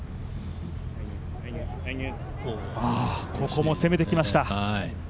ここも攻めてきました。